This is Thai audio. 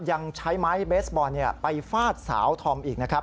ยังใช้ไม้เบสบอลไปฟาดสาวธอมอีกนะครับ